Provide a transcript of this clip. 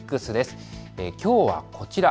きょうはこちら。